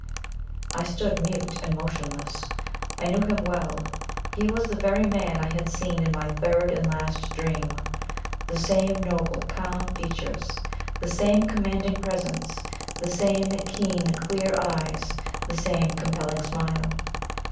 I stood mute and motionless. I knew him well; he was the very man I had seen in my third and last dream; the same noble, calm features; the same commanding presence; the same keen, clear eyes; the same compelling smile.